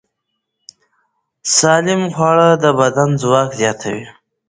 سالم خواړه د بدن ځواک زیاتوي.